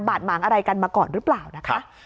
หมางอะไรกันมาก่อนหรือเปล่านะคะ